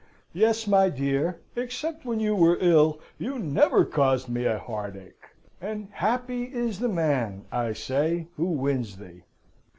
Yes, my dear, except when you were ill, you never caused me a heartache and happy is the man, I say, who wins thee!"